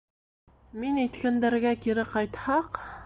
Мин әйткәндәргә кире ҡайтһаҡ...